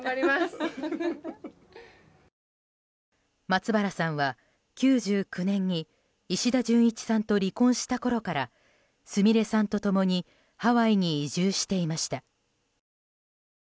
松原さんは９９年に石田純一さんと離婚したころからすみれさんと共にハワイに移住していました。